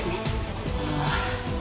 ああ。